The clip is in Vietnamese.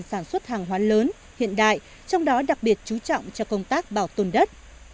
sản xuất hàng hóa lớn hiện đại trong đó đặc biệt chú trọng cho công tác bảo tồn đất